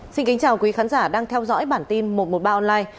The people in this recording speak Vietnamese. xin kính chào quý khán giả đang theo dõi bản tin một trăm một mươi ba online